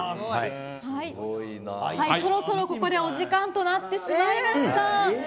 そろそろ、ここでお時間となってしまいました。